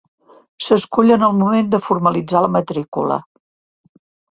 S'escull en el moment de formalitzar la matrícula.